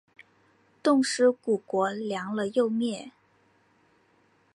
冻尸骨国亮了又灭。